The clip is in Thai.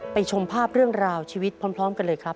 ชมภาพเรื่องราวชีวิตพร้อมกันเลยครับ